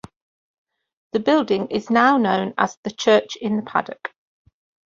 The building is now known as "The Church in the Paddock".